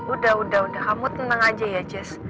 udah udah udah kamu tenang aja ya jess